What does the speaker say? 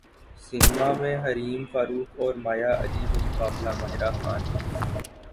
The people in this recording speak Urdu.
سینماں میں حریم فاروق اور مایا علی بمقابلہ ماہرہ خان